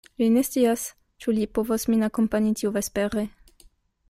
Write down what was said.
Li ne scias, ĉu li povos min akompani tiuvespere.